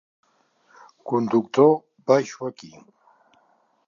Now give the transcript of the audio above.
Conductor, baixo aquí.